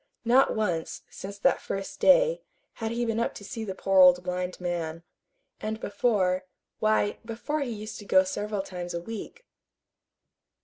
Not once, since that first day, had he been up to see the poor old blind man. And before why, before he used to go several times a week.